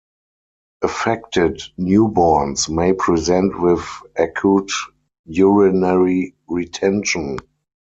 Affected newborns may present with acute urinary retention.